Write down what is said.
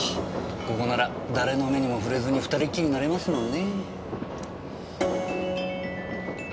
ここなら誰の目にも触れずに２人きりになれますもんね。